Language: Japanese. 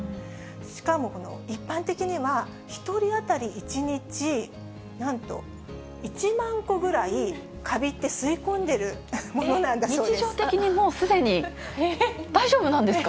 しかも、一般的には１人当たり１日なんと１万個ぐらい、カビって吸い込んでるものなんだそうです。